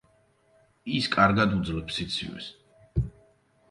ის კარგად უძლებს სიცივეს.